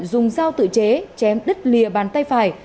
dùng dao tự chế chém đứt lìa bàn tay phải